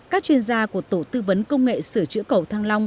các chuyên gia của tổ tư vấn công nghệ sửa chữa cầu thăng long